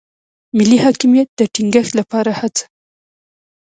ملي حاکمیت د ټینګښت لپاره هڅه.